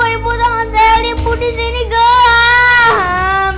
ibu tangan selly di sini gelap